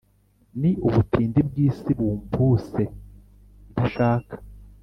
Ni ubutindi bw’isi Bumpuse ntashaka: